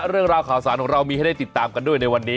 เรื่องราวข่าวสารของเรามีให้ได้ติดตามกันด้วยในวันนี้